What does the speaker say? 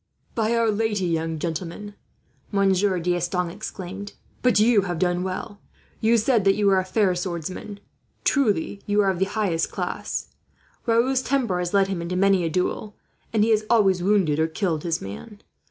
"By our Lady, young gentleman," Monsieur D'Estanges exclaimed, "but you have done well! You said that you were a fair swordsman. Truly you are of the highest class. Raoul's temper has led him into many a duel, and he has always wounded or killed his man.